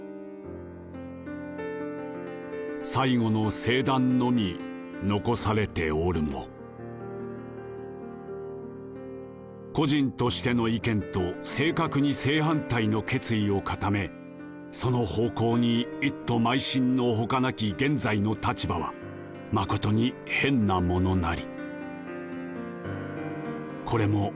「最後の聖断のみ残されておるも個人としての意見と正確に正反対の決意を固めその方向に一途邁進のほかなき現在の立場は誠に変なものなり」。